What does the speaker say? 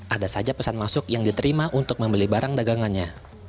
ada saja pesan masuk yang diterima untuk membeli barang dagangannya